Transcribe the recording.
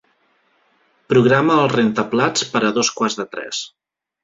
Programa el rentaplats per a dos quarts de tres.